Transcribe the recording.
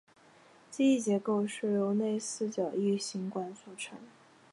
机翼结构是由内四角异型管组成。